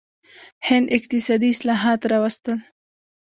هند اقتصادي اصلاحات راوستل.